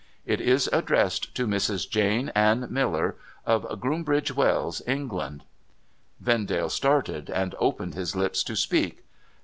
It is addressed to " Mrs. Jane Anne Miller, of Groombridge wells, England." ' Vendale started, and opened his lips to speak.